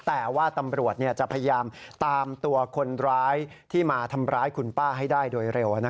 แต่ว่าตำรวจจะพยายามตามตัวคนร้ายที่มาทำร้ายคุณป้าให้ได้โดยเร็ว